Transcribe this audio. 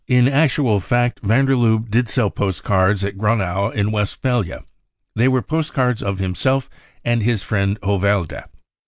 In actual fact, van der Lubbe did sell post cards at Gronau in Westphalia ; they were post cards of himself and his friend Hoiverda.